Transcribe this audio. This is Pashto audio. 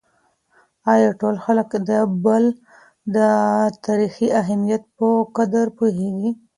آیا ټول خلک د کابل د تاریخي اهمیت په قدر پوهېږي؟